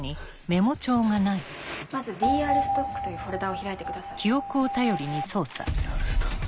まずＤＲストックというフォルダを開ＤＲストック。